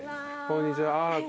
こんにちは。